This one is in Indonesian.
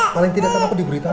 paling tidak kan aku diberitakan